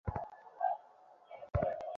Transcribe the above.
কারণ একটু আগে আমিই কুকুর গুলোকে দেখে এসেছি।